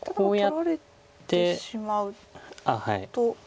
取られてしまうと。